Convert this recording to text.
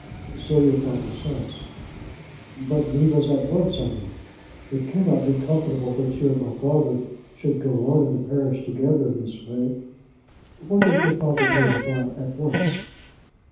"So your father says." "But leave us at once, I mean. It cannot be comfortable that you and my father should go on in the parish together in this way." "What does your father mean by 'at once'?"